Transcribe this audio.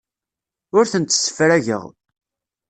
Ur tent-ssefrageɣ.